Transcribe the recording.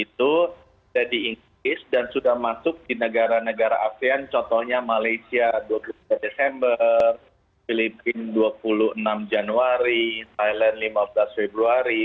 thailand lima belas februari singapura dua puluh empat desember